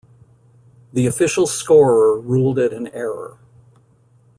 The official scorer ruled it an error.